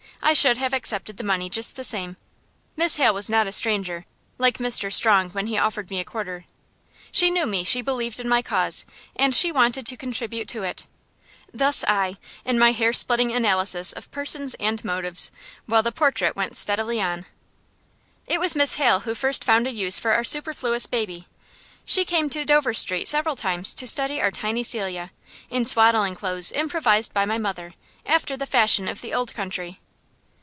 I should have accepted the money just the same. Miss Hale was not a stranger, like Mr. Strong when he offered me a quarter. She knew me, she believed in my cause, and she wanted to contribute to it. Thus I, in my hair splitting analyses of persons and motives; while the portrait went steadily on. It was Miss Hale who first found a use for our superfluous baby. She came to Dover Street several times to study our tiny Celia, in swaddling clothes improvised by my mother, after the fashion of the old country.